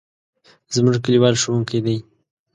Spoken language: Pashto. زموږ کلیوال ښوونکی دی.